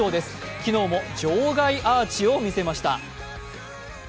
昨日も場外アーチを見せました。